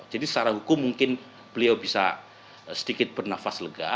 jadi secara hukum mungkin beliau bisa sedikit bernafas lega